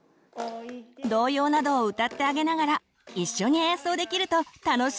童謡などを歌ってあげながら一緒に演奏できると楽しいですよ。